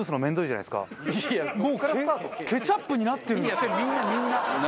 いやそれみんなみんな！